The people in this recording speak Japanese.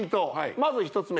まず１つ目